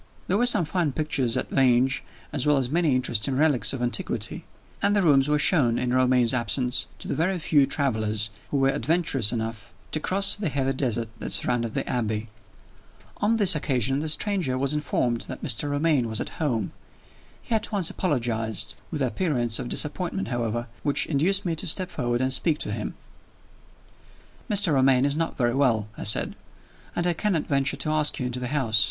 There were some fine pictures at Vange, as well as many interesting relics of antiquity; and the rooms were shown, in Romayne's absence, to the very few travelers who were adventurous enough to cross the heathy desert that surrounded the Abbey. On this occasion, the stranger was informed that Mr. Romayne was at home. He at once apologized with an appearance of disappointment, however, which induced me to step forward and speak to him. "Mr. Romayne is not very well," I said; "and I cannot venture to ask you into the house.